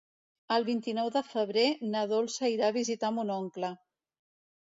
El vint-i-nou de febrer na Dolça irà a visitar mon oncle.